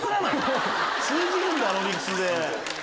通じるんだあの理屈で。